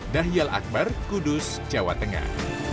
dahiyal akbar kudus jawa tengah